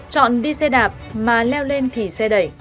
chọn đi xe đạp mà leo lên thì xe đẩy